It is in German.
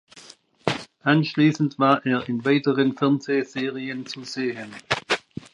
Anschließend war er in weiteren Fernsehserien zu sehen.